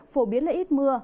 phổ biến là ít mưa